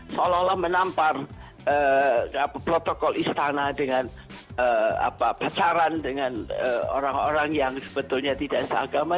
seolah olah menampar protokol istana dengan pacaran dengan orang orang yang sebetulnya tidak seagama